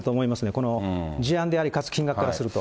この事案であり、かつ金額からすると。